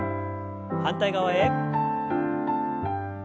反対側へ。